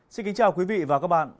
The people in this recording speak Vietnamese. xin kính chào quý vị và các bạn